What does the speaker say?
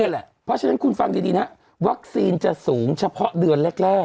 เพราะฉะนั้นคุณฟังดีนะวัคซีนจะสูงเฉพาะเดือนแรก